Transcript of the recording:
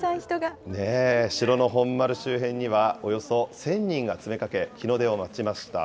城の本丸周辺には、およそ１０００人が詰めかけ、日の出を待ちました。